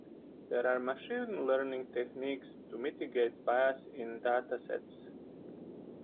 There are machine learning techniques to mitigate bias in datasets.